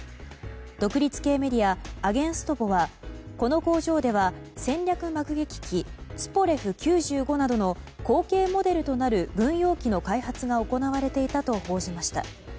独立系メディア、アゲンストボはこの工場では戦略爆撃機ツポレフ９５などの後継モデルとなる軍用機の開発が行われていたと報じました。